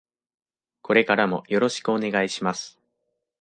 これからもよろしくお願いします。